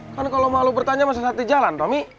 kan kalo malu bertanya masa saat di jalan tommy